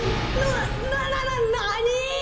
ななななに！？